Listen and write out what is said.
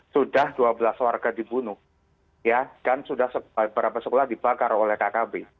sudah dua belas warga dibunuh dan sudah beberapa sekolah dibakar oleh kkb